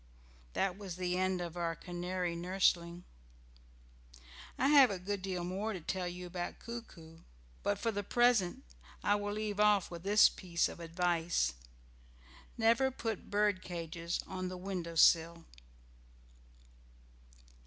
That was the end of our canary nursling. I have a good deal more to tell you about Coo coo, but for the present I will leave off with this piece of advice. "Never put bird cages on the window sill."